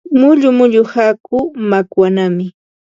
Mullu mullu hakuu makwanaami.